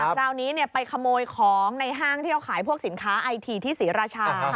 คราวนี้ไปขโมยของให้ขายพวกสินค้าไอที่สีระชา